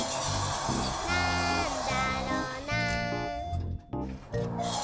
「なんだろな？」